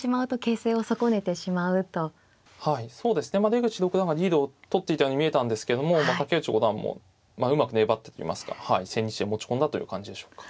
出口六段がリードをとっていたように見えたんですけども竹内五段もうまく粘ってといいますか千日手へ持ち込んだという感じでしょうか。